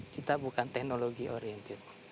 kita bukan teknologi oriented